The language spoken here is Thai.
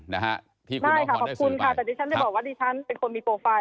ได้ค่ะขอบคุณค่ะแต่ดิฉันจะบอกว่าดิฉันเป็นคนมีโปรไฟล